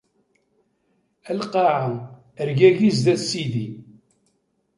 A lqaɛa, rgagi sdat Sidi.